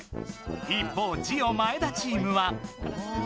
一方ジオ前田チームは？